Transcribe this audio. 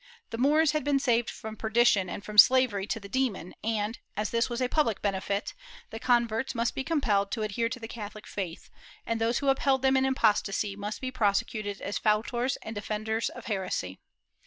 The Moors had been saved from perdition and from slavery to the demon and, as this was a public benefit, the converts must be compelled to adhere to the Catholic faith, and those who upheld them in apostasy must be prosecuted as fautors and defenders of heresy.